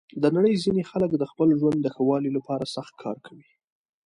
د نړۍ ځینې خلک د خپل ژوند د ښه والي لپاره سخت کار کوي.